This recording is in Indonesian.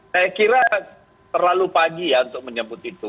saya kira terlalu pagi ya untuk menyebut itu